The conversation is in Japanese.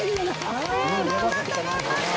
頑張った頑張った！